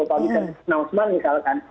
atau bisa announcement misalkan